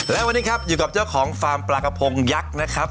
และวันนี้ครับอยู่กับเจ้าของฟาร์มปลากระพงยักษ์นะครับ